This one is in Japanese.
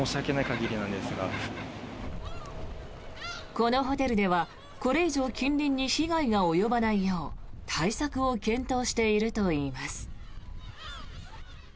このホテルでは、これ以上近隣に被害が及ばないよう対策を検討しているといいます。